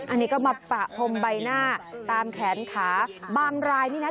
อันนี้ก็มาประพรมใบหน้าตามแขนขาบางรายนี่นะ